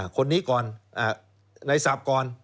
คนนี้ก่อนในศัพท์ก่อน